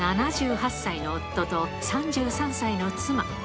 ７８歳の夫と、３３歳の妻。